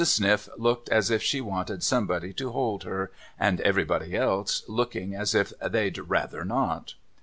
Sniff looking as if she wanted somebody to hold her, and everybody else looking as if they'd rayther not.